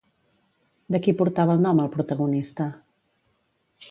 De qui portava el nom el protagonista?